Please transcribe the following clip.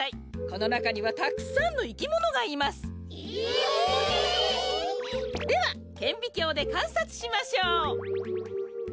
このなかにはたくさんのいきものがいます。えっ！？ではけんびきょうでかんさつしましょう。